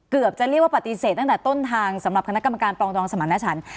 จะเรียกว่าปฏิเสธตั้งแต่ต้นทางสำหรับคณะกรรมการปรองดองสมรรถฉัน